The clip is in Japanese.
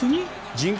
人口